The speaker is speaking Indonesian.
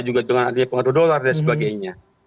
juga dengan adanya pengadu dolar dan sebagainya